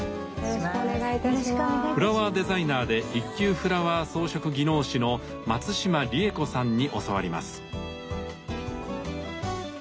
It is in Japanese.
フラワーデザイナーで一級フラワー装飾技能士の松島理恵子さんに教わります。